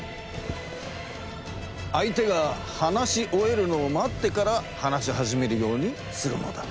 相手が話し終えるのを待ってから話し始めるようにするのだ。